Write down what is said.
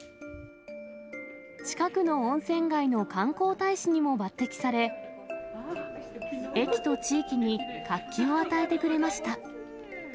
近くの温泉街の観光大使にも抜てきされ、駅と地域に活気を与えてくれました。